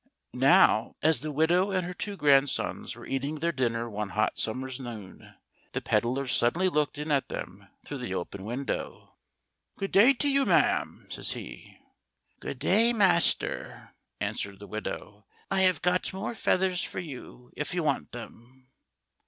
Now, as the widow and her two grandsons were eating their dinner one hot summer's noon, the pedlar suddenly looked in at them through the open window. "Good day to you, ma'am," says he. " Good day, master," answered the widow. " I have got more feathers for you, if you want them."